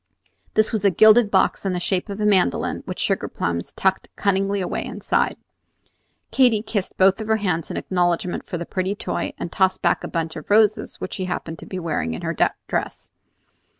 This was a gilded box in the shape of a mandolin, with sugar plums tucked cunningly away inside. Katy kissed both her hands in acknowledgment for the pretty toy, and tossed back a bunch of roses which she happened to be wearing in her dress.